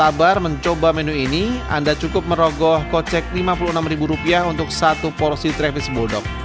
dan sabar mencoba menu ini anda cukup merogoh kocek rp lima puluh enam untuk satu porsi travis bulldog